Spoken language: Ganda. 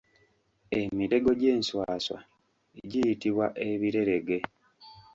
Emitego gy'enswaswa giyitibwa ebirerege.